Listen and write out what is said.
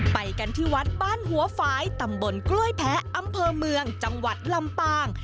ไปกันที่วัดบ้านหัวฝ่ายตำบลกล้วยแพ้อำเภอเมืองจังหวัดลำปาง